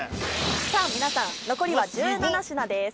さぁ皆さん残りは１７品です。